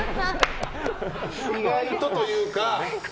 意外とというか。